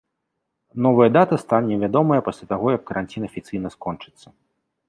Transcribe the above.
Новая дата стане вядомая пасля таго, як каранцін афіцыйна скончыцца.